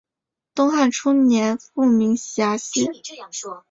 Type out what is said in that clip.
东汉初年复名衙县。